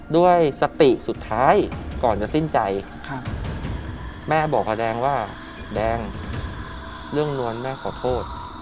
ด้วยสติสุดท้ายก่อนจะสิ้นใจแม่บอกกับแดงว่าแดงเรื่องนวลแม่ขอโทษ